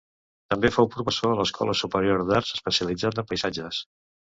També fou professor a l'escola superior d'arts, especialitzat en paisatges.